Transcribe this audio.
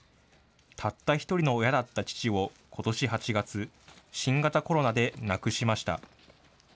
たった一人の親だった父をことし８月、新型コロナで亡くしました。